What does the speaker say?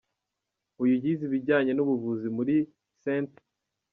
Uyu yize ibijyanye n’ubuvuzi muri St.